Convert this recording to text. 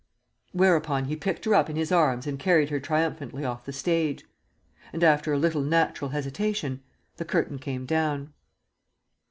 Whereupon he picked her up in his arms and carried her triumphantly off the stage ... and after a little natural hesitation the curtain came down.